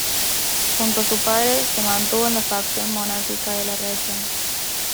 Junto a su padre se mantuvo en la facción monárquica de la región.